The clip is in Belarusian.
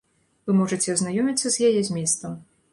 Вы можаце азнаёміцца з яе зместам.